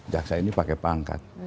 jaksa ini pakai pangkat